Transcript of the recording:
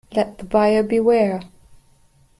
Let the buyer beware.